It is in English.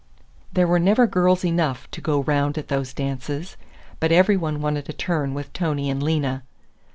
There were never girls enough to go round at those dances, but every one wanted a turn with Tony and Lena.